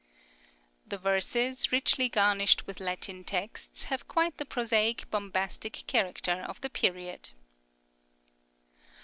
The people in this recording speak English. The verses, richly garnished with Latin texts, have quite the prosaic bombastic character of the period.